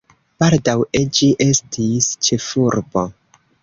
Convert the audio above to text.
Baldaŭe ĝi estis ĉefurbo.